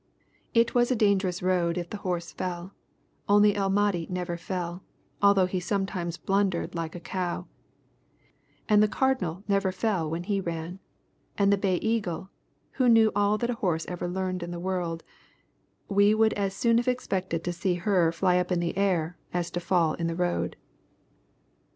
It was a dangerous road if the horse fell, only El Mahdi never fell, although he sometimes blundered like a cow; and the Cardinal never fell when he ran, and the Bay Eagle, who knew all that a horse ever learned in the world, we would as soon have expected to see her fly up in the air as to fall in the road.